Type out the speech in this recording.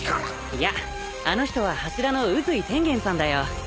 いやあの人は柱の宇髄天元さんだよ。